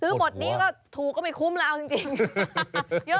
ถือหมดนี้ก็ถูกก็ไม่คุ้มเลยเอาจริงจริง